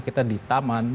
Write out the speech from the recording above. kita di taman